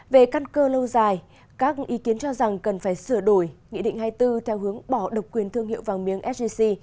về căn cơ lâu dài các ý kiến cho rằng cần phải sửa đổi nghị định hai mươi bốn theo hướng bỏ độc quyền thương hiệu vàng miếng sgc